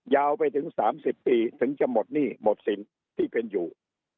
ยาวไปถึง๓๐ปีถึงจะหมดหนี้หมดสินที่เป็นอยู่